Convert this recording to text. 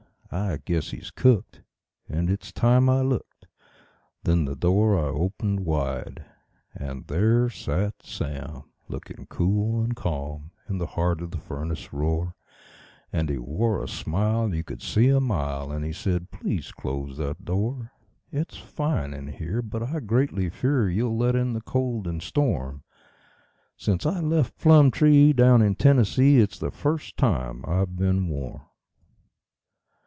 I guess he's cooked, and it's time I looked";. .. then the door I opened wide. And there sat Sam, looking cool and calm, in the heart of the furnace roar; And he wore a smile you could see a mile, and he said: "Please close that door. It's fine in here, but I greatly fear you'll let in the cold and storm Since I left Plumtree, down in Tennessee, it's the first time I've been warm."